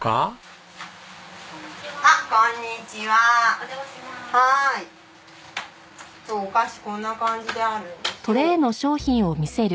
今日お菓子こんな感じであるんですよ。